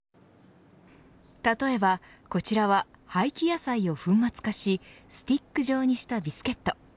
例えばこちらは廃棄野菜を粉末化しスティック状にしたビスケット。